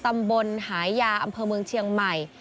ตำบลหายาอำเภอเมืองเชียงใหม่